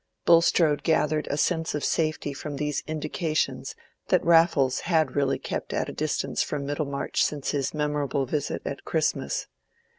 Bulstrode gathered a sense of safety from these indications that Raffles had really kept at a distance from Middlemarch since his memorable visit at Christmas.